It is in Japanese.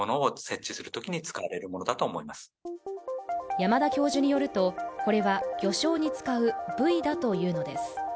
山田教授によると、これは漁礁に使うブイだというのです。